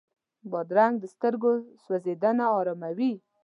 بادرنګ د سترګو سوځېدنه اراموي.